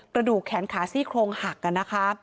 กระดูกแขนขาซี่โครงหักนะคะ